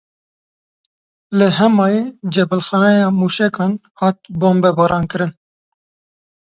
Li Hemayê cebilxaneya mûşekan hat bombebarankirin.